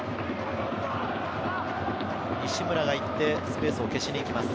西村が行ってスペースを消しに行きます。